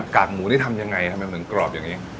กากหมูนี่ทำยังไงทำไมเหมือนกรอบอย่างนี้